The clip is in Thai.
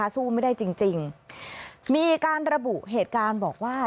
สู้ไม่ได้จริงจริงมีการระบุเหตุการณ์บอกว่า